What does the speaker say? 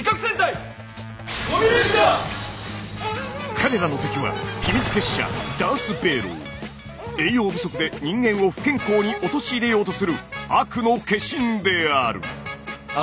彼らの敵は秘密結社栄養不足で人間を不健康に陥れようとする悪の化身である。